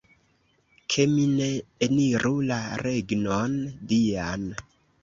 Ke mi ne eniru la Regnon Dian!